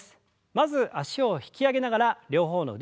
まず脚を引き上げながら両方の腕を前に。